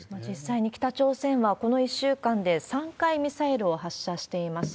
実際に北朝鮮はこの１週間で３回ミサイルを発射しています。